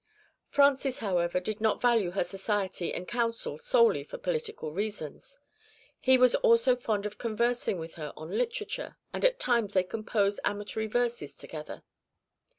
Francis, however, did not value her society and counsel solely for political reasons; he was also fond of conversing with her on literature, and at times they composed amatory verses together.